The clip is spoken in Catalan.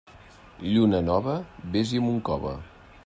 Lluna nova, vés-hi amb un cove.